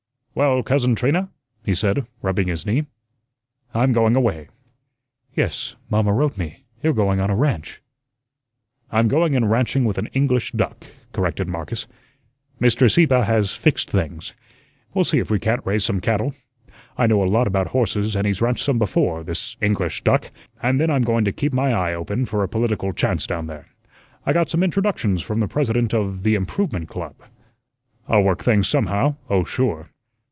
"Well, Cousin Trina," he said, rubbing his knee, "I'm going away." "Yes, mamma wrote me; you're going on a ranch." "I'm going in ranching with an English duck," corrected Marcus. "Mr. Sieppe has fixed things. We'll see if we can't raise some cattle. I know a lot about horses, and he's ranched some before this English duck. And then I'm going to keep my eye open for a political chance down there. I got some introductions from the President of the Improvement Club. I'll work things somehow, oh, sure."